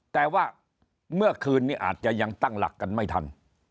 แต่ว่าเมื่อคืนนี้อาจจะยังตั้งหลักกันไม่ทัน